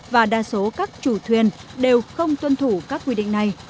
và đa số các chủ thuyền đều không tuân thủ các quy định này